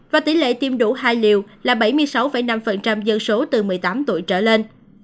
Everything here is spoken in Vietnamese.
và tỷ lệ tiêm đủ hai liều là bảy mươi sáu năm dân số từ một mươi tám tuổi trở lên